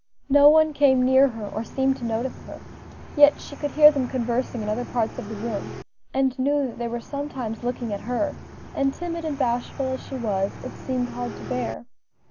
No one came near her or seemed to notice her, yet she could hear them conversing in other parts of the room, and knew that they were sometimes looking at her, and, timid and bashful as she was, it seemed hard to bear.